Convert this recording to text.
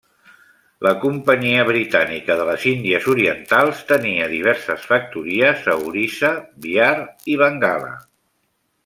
La companyia Britànica de les Índies Orientals tenia diverses factories a Orissa, Bihar i Bengala.